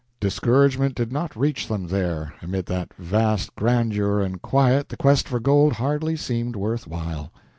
Discouragement did not reach them there amid that vast grandeur and quiet the quest for gold hardly seemed worth while.